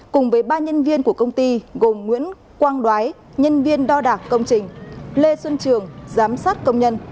cùng với ba nhân viên của công ty gồm nguyễn quang đoái nhân viên đo đạc công trình lê xuân trường giám sát công nhân